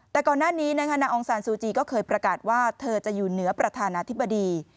แต่ก่อนหน้านี้นางองซานซูจีก็เคยประกาศว่าเธอจะอยู่เหนือประธานาธิบดี